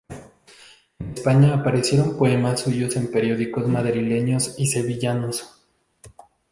En España aparecieron poemas suyos en periódicos madrileños y sevillanos.